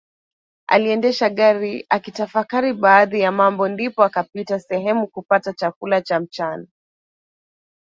Aliendesha gari akitafakari baadhi ya mambo ndipo akapita sehemu kupata chakula cha mchana